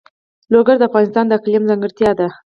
لوگر د افغانستان د اقلیم ځانګړتیا ده.